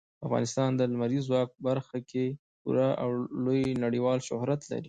افغانستان د لمریز ځواک په برخه کې پوره او لوی نړیوال شهرت لري.